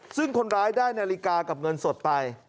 ซึ่งคนร้ายได้นาฬิกากับเงินสดไป